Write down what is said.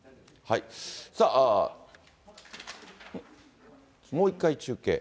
さあ、もう一回中継？